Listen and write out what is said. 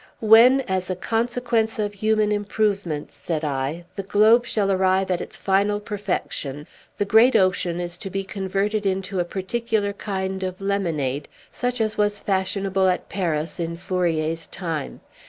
"When, as a consequence of human improvement," said I, "the globe shall arrive at its final perfection, the great ocean is to be converted into a particular kind of lemonade, such as was fashionable at Paris in Fourier's time.